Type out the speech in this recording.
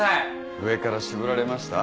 上から絞られました？